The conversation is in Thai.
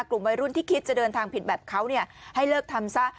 กลุ่มวัยรุ่นที่คิดจะเดินทางผิดแบบเขาให้เลิกทำซะ